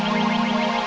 terima kasih pak